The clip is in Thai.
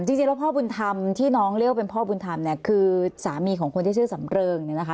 จริงแล้วพ่อบุญธรรมที่น้องเรียกว่าเป็นพ่อบุญธรรมเนี่ยคือสามีของคนที่ชื่อสำเริงเนี่ยนะคะ